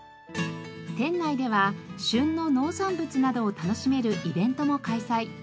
店内では旬の農産物などを楽しめるイベントも開催。